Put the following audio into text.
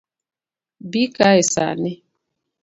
Bii kae saa ni